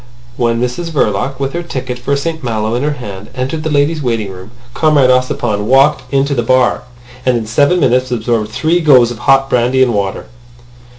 When Mrs Verloc, with her ticket for St Malo in her hand, entered the ladies' waiting room, Comrade Ossipon walked into the bar, and in seven minutes absorbed three goes of hot brandy and water.